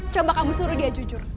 coba kamu suruh dia jujur